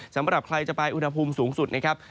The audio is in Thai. สำหรับใครจะไปอุณหภูมิสูงสุดนะครับ